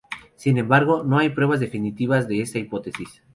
Sin embargo, no hay pruebas definitivas de esta hipótesis.